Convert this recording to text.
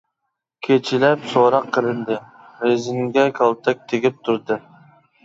كېچىلەپ سوراق قىلىندى، رېزىنكە كالتەك تېگىپ تۇردى.